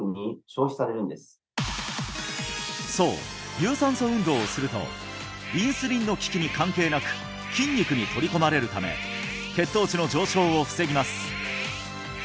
有酸素運動をするとインスリンの効きに関係なく筋肉に取り込まれるため血糖値の上昇を防ぎます